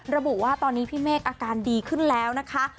ระบุว่าตอนนี้พี่เมฆอาการดีขึ้นแล้วนะคะ